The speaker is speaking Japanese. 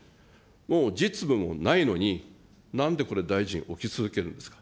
もう実務もないのに、なんでこれ、大臣を置き続けるんですか。